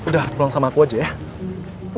udah pulang sama aku aja ya